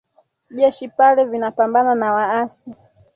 jeshi pale vinapambana na waasi